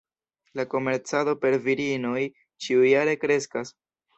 La komercado per virinoj ĉiujare kreskas.